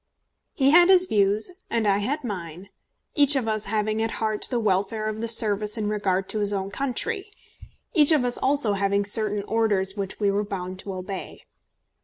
He had his views and I had mine, each of us having at heart the welfare of the service in regard to his own country, each of us also having certain orders which we were bound to obey.